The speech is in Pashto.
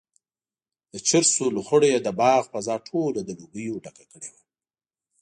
د چرسو لوخړو یې د باغ فضا ټوله له لوګیو ډکه کړې وه.